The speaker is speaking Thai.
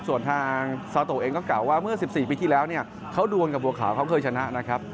ส่วนทางซาโตเองก็กล่าวว่าเมื่อ๑๔ปีที่แล้วเนี่ยเขาดวนกับบัวขาวเขาเคยชนะนะครับ